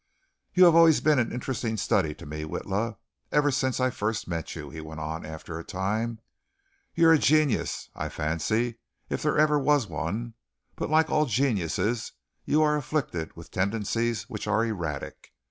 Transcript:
"You have always been an interesting study to me, Witla, ever since I first met you," he went on, after a time. "You're a genius, I fancy, if there ever was one, but like all geniuses you are afflicted with tendencies which are erratic.